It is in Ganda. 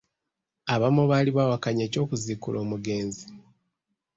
Abamu baali bawakanya eky'okuziikula omugenzi.